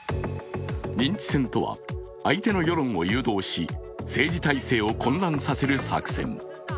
認知戦とは、相手の世論を誘導し政治体制を混乱させる作戦。